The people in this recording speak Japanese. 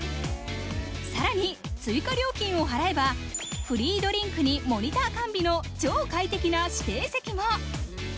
更に追加料金を払えばフリードリンクにモニター完備の超快適な指定席も。